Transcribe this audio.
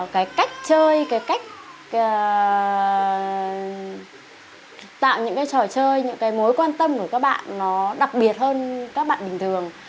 cái cách chơi cái cách tạo những cái trò chơi những cái mối quan tâm của các bạn nó đặc biệt hơn các bạn bình thường